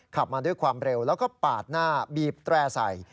ขับมาด้วยความเร็วแล้วก็ปาดหน้าบีบแตร่ใส่